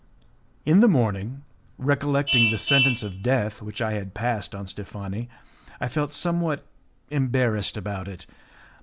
In the morning, recollecting the sentence of death which I had passed on Steffani, I felt somewhat embarrassed about it.